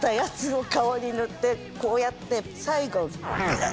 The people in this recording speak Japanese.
こうやって最後。